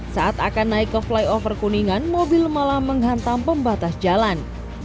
saat akan naik ke flyover kuningan mobil malah menghantam pembatas jalan